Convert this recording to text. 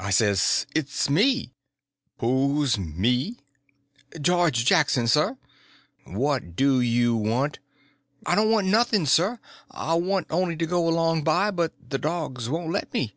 I says: "It's me." "Who's me?" "George Jackson, sir." "What do you want?" "I don't want nothing, sir. I only want to go along by, but the dogs won't let me."